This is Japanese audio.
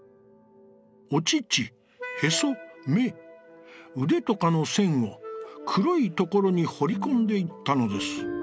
お乳臍眼腕とかの線を黒いところにほりこんでいったのです。